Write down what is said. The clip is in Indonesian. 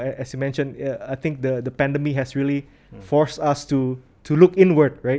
saya rasa pandemi ini telah memaksa kita untuk melihat ke depan bukan